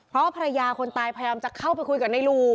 เพราะภรรยาคนตายพยายามจะเข้าไปคุยกับในลู